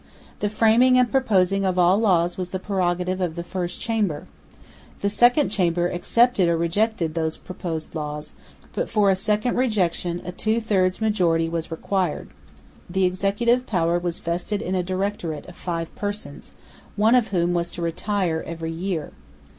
The framing and proposing of all laws was the prerogative of the First Chamber. The Second Chamber accepted or rejected these proposed laws, but for a second rejection a two thirds majority was required. The Executive Power was vested in a Directorate of five persons, one of whom was to retire every year.